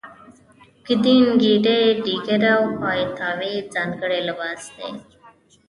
ګدین ګنډۍ ډیګره او پایتاوې ځانګړی لباس دی.